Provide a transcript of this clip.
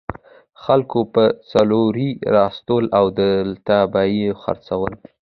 خلکو به څاروي راوستل او دلته به یې خرڅول.